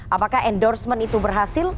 apakah endorsement itu berhasil